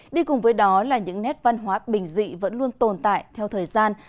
đi cùng với đó là những nét văn hóa bình dị vẫn luôn tồn tại theo thời gian